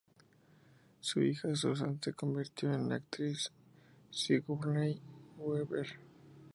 Su hija Susan se convirtió en la actriz Sigourney Weaver.